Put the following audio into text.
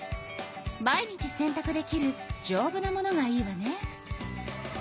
毎日せんたくできるじょうぶなものがいいわね。